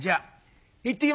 行ってきました」。